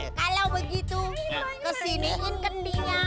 kalau begitu kesiniin kendinya